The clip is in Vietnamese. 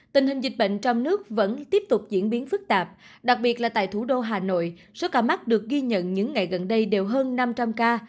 tình hình dịch bệnh trong nước vẫn tiếp tục diễn biến phức tạp đặc biệt là tại thủ đô hà nội số ca mắc được ghi nhận những ngày gần đây đều hơn năm trăm linh ca